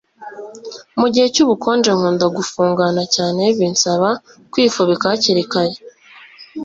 Mugihe cyubukonje nkunda gufungana cyane binsaba kwifubika hakiri kare